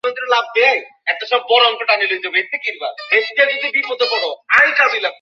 তোমার কী হয়েছে!